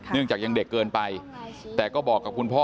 เนื่องจากยังเด็กเกินไปแต่ก็บอกกับคุณพ่อ